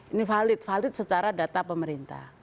ini valid valid secara data pemerintah